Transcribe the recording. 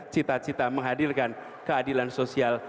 cita cita menghadirkan keadilan sosial